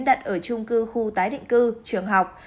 đặt ở trung cư khu tái định cư trường học